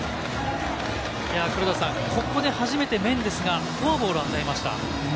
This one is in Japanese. ここで初めてメンデスがフォアボールを与えました。